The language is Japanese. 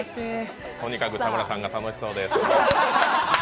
とにかく田村さんが楽しそうです。